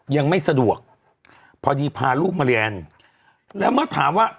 ยังไม่สะดวกพอดีพาลูกมาเรียนแล้วเมื่อถามว่า